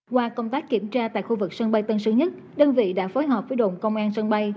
qua công tác kiểm tra tại khu vực sân bay tân sơn nhất đơn vị đã phối hợp với đồn công an sân bay